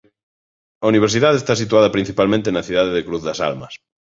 A universidade está situada principalmente na cidade de Cruz das Almas.